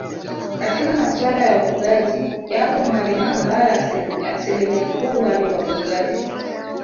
Katika maswala ya ufugaji yapo maeneo ambayo asilimia kubwa ni wafugaji